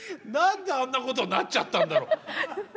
何であんなことになっちゃったんだろう。